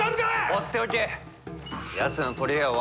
放っておけ。